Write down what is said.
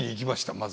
まず。